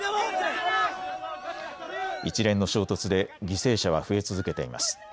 一連の衝突で犠牲者は増え続けています。